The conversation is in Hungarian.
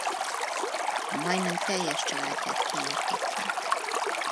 Majdnem teljes családját kiirtották.